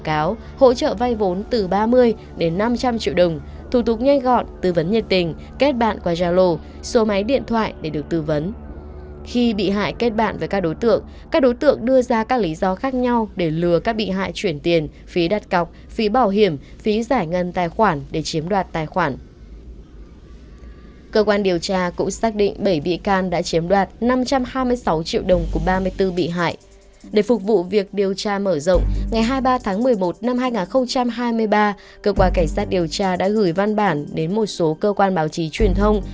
cơ quan cảnh sát điều tra đã gửi văn bản đến một số cơ quan báo chí truyền thông